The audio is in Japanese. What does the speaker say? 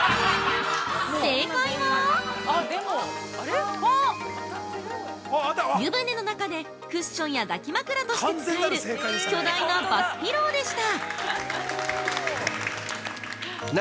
◆正解は湯船の中で、クッションや抱き枕として使える巨大なバスピローでした！